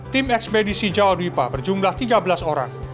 tim ekspedisi jawa duipa berjumlah tiga belas orang